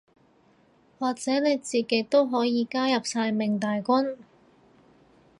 或者你自己都可以加入曬命大軍